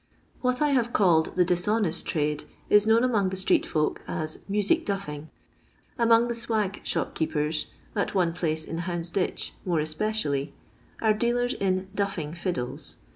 What I have called the "dishonest trade" is known among the street folk as " music duffing." Among the swag shopkeepers, at one place in Uoundsditch more especially, are dealers in " duffing fiddles."